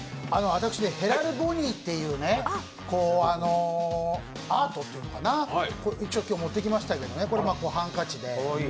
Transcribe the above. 私ね、ヘラルボニーっていうね、アートっていうのかな一応今日持ってきましたけど、これはハンカチで。